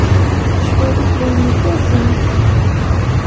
Lecɣal-ik d ayen ifazen.